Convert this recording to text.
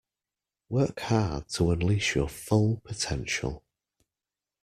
Work hard to unleash your full potential.